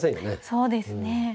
そうですね。